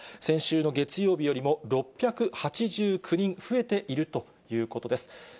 先週の月曜日よりも６８９人増えているということです。